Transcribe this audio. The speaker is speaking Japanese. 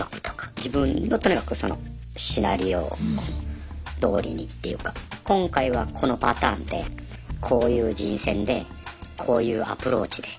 自分のとにかくそのシナリオどおりにっていうか今回はこのパターンでこういう人選でこういうアプローチで。